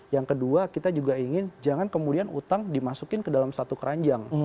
yang kedua kita juga ingin jangan kemudian utang dimasukin ke dalam satu keranjang